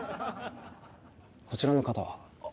こちらの方は？